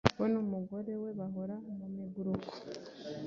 We numugore we bahora mumiguruko